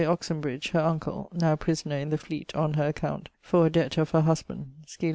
Oxenbridge, her uncle (now prisoner in the Fleet on her account for a dept of her husband, scil.